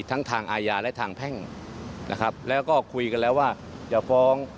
ทั้งทางอาญาและทางแพ่งนะครับแล้วก็คุยกันแล้วว่าจะฟ้อง